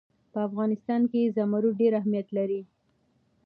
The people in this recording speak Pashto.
په افغانستان کې زمرد ډېر اهمیت لري.